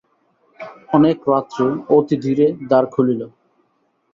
অনেক রাত্রে অতিধীরে দ্বার খুলিল।